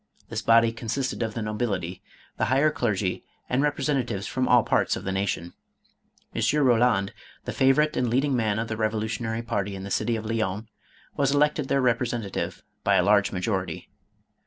This body consisted of the nobility, the higher clergy and represen tatives from all parts of the nation. M. Koland, the favor ite and leading man of the revolutionary party in the city of Lyons, was elected their representative, by a large ma jority.